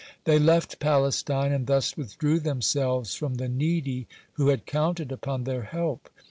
They left Palestine, and thus withdrew themselves from the needy who had counted upon their help.